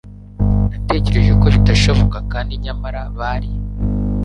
Natekereje ko bidashoboka. Kandi nyamara bari.